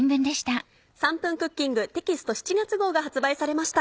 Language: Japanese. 『３分クッキング』テキスト７月号が発売されました。